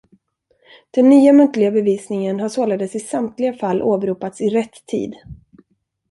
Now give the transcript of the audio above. Den nya muntliga bevisningen har således i samtliga fall åberopats i rätt tid.